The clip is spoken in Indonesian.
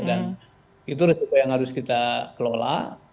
dan itu risiko yang harus kita kelola